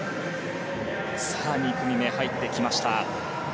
２組目が入ってきました。